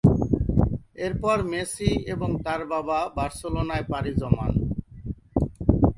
এরপর মেসি এবং তার বাবা বার্সেলোনায় পাড়ি জমান।